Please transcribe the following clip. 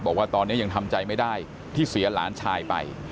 บอกว่าตอนนี้ยังทำใจไม่ได้ที่เสียหลานชายไป